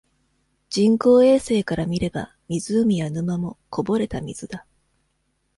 人工衛星から見れば、湖や沼も、こぼれた水だ。